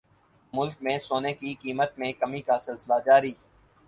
ملک میں سونے کی قیمت میں کمی کا سلسلہ جاری